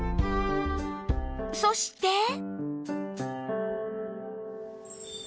そして